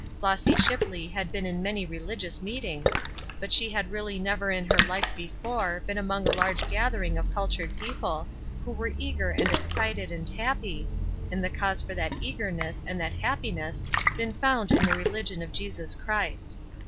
Flossy Shipley had been in many religious meetings, but she had really never in her life before been among a large gathering of cultured people, who were eager and excited and happy, and the cause for that eagerness and that happiness been found in the religion of Jesus Christ.